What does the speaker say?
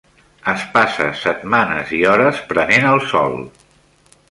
Es passa setmanes i hores prenent el sol.